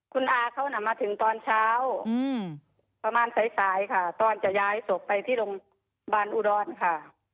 คุณอาเขาน่ะมาถึงตอนเช้าประมาณสายค่ะตอนจะย้ายศพไปที่โรงพยาบาลอุดรค่ะ